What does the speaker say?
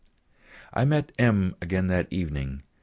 I met M. again that evening.